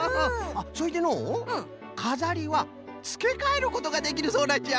それでのうかざりはつけかえることができるそうなんじゃ。